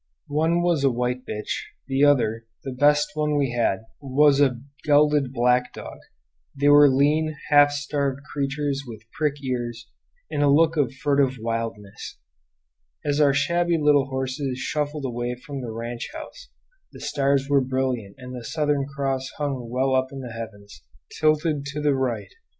One was a white bitch, the other, the best one we had, was a gelded black dog. They were lean, half starved creatures with prick ears and a look of furtive wildness. As our shabby little horses shuffled away from the ranch house the stars were brilliant and the Southern Cross hung well up in the heavens, tilted to the right.